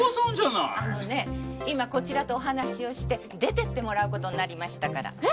あのね今こちらとお話をして出て行ってもらう事になりましたから。え？